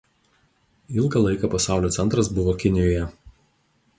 Ilgą laiką pasaulio centras buvo Kinijoje.